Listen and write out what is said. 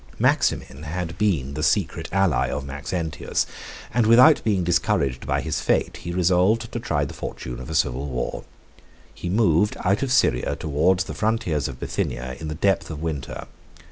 Maximin had been the secret ally of Maxentius, and without being discouraged by his fate, he resolved to try the fortune of a civil war. He moved out of Syria, towards the frontiers of Bithynia, in the depth of winter.